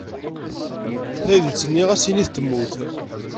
Taydit-nni ɣas init temmut.